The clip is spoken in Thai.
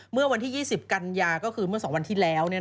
เมื่อวันที่๒๐กันยาก็คือเมื่อ๒วันที่แล้ว